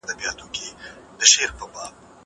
کېدای سي واښه ګډه وي!